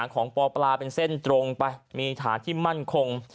ปปลาเป็นเส้นตรงไปมีฐานที่มั่นคง